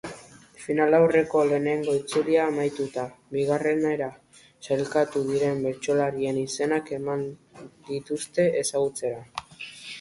Finalaurrekoetako lehenengo itzulia amaituta, bigarrenera sailkatu diren bertsolarien izenak eman dituzte ezagutzera.